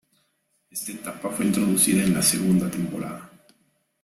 Esta etapa fue introducida en la segunda temporada.